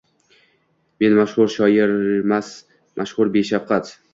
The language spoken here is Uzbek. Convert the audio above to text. Men mashhur shoirmas mashhur beshafqat